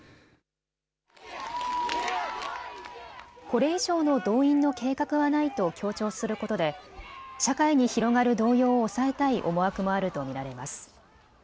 これ以上の動員の計画はないと強調することで社会に広がる動揺を抑えたい思惑もあると見られます。